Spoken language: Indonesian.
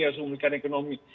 harus memulihkan ekonomi